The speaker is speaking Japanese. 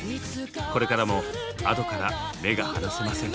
これからもＡｄｏから目が離せません。